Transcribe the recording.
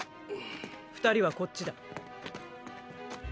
二人はこっちだ。